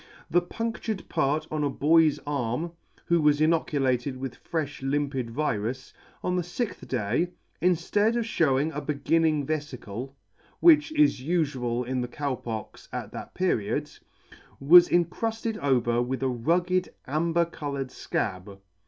The pundured part on a boy's arm (who was inoculated with frefh limpid virus) on the fixth day, inflead of fhewing a beginning veficle, which is ufual in the Cow Pox at that period, was en crufted over with a rugged amber coloured fcab.